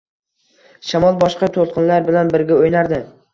shamol boshqa to‘lqinlar bilan birga o‘ynardi